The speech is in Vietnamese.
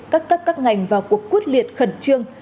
các cấp các ngành vào cuộc quyết liệt khẩn trương